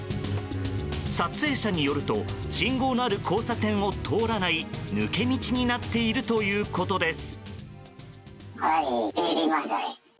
撮影者によると信号のある交差点を通らない抜け道になっているということです。